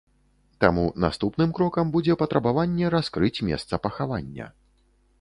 Таму наступным крокам будзе патрабаванне раскрыць месца пахавання.